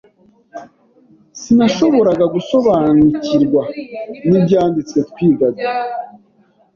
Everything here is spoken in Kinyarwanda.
sinashoboraga gusobanikirwa n’ibyanditswe twigaga